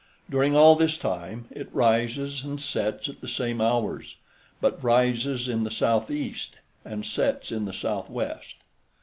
During all this time it rises and sets at the same hours, but rises in the southeast and sets in the southwest.